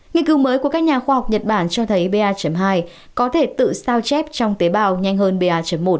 nghiên cứu mới của các nhà khoa học nhật bản cho thấy ba hai có thể tự sao chép trong tế bào nhanh hơn ba một